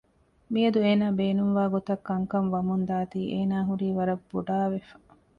މިއަދު އޭނާ ބޭނުންވާ ގޮތަށް ކަންކަން ވަމުންދާތީ އޭނާ ހުރީ ވަރަށް ބޮޑާވެފަ